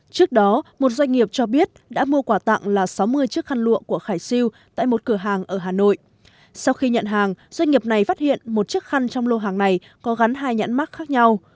trước đó một doanh nghiệp cho biết đã mua quả tặng là sáu mươi chiếc khăn lụa của khải siêu tại một cửa hàng ở hà nội sau khi nhận hàng doanh nghiệp này phát hiện một chiếc khăn trong lô hàng này có gắn hai nhãn mắc khác nhau